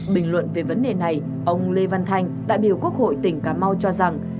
bình luận về vấn đề này ông lê văn thành đại biểu quốc hội tỉnh cà mau cho rằng